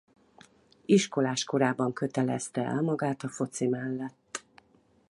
Iskolás korában kötelezte el magát a foci mellett.